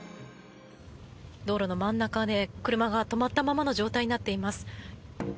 道路の真ん中で車が止まったままの状態になっています。